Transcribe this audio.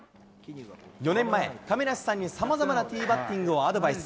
４年前、亀梨さんにさまざまなティーバッティングにアドバイス。